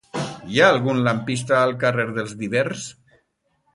Hi ha algun lampista al carrer dels Vivers?